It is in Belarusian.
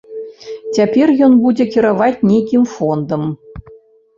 Цяпер ён будзе кіраваць нейкім фондам.